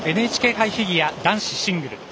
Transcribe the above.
ＮＨＫ杯フィギュア男子シングル。